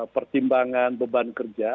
pertimbangan beban kerja